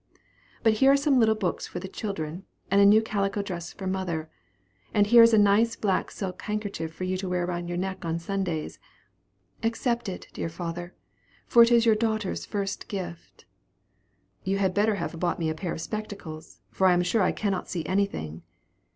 "But here are some little books for the children, and a new calico dress for mother; and here is a nice black silk handkerchief for you to wear around your neck on Sundays; accept it, dear father, for it is your daughter's first gift." "You had better have bought me a pair of spectacles, for I am sure I cannot see anything."